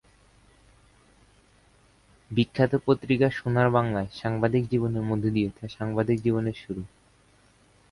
বিখ্যাত পত্রিকা ‘সোনার বাংলা’য় সাংবাদিক জীবনের মধ্য দিয়ে তার সাংবাদিক জীবনের শুরু।